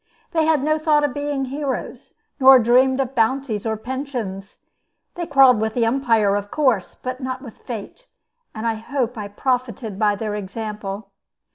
They had no thought of being heroes, nor dreamed of bounties or pensions. They quarreled with the umpire, of course, but not with Fate; and I hope I profited by their example.